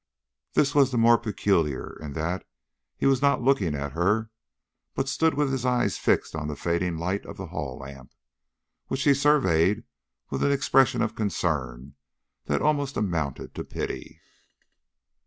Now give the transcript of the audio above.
This was the more peculiar in that he was not looking at her, but stood with his eyes fixed on the fading light of the hall lamp, which he surveyed with an expression of concern that almost amounted to pity.